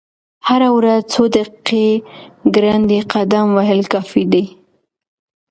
هره ورځ څو دقیقې ګړندی قدم وهل کافي دي.